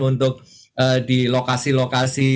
untuk di lokasi lokasi